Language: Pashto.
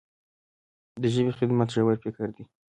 د ژبې خدمت ژور فکر دی.